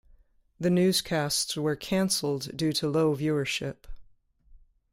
The newscasts were cancelled due to low viewership.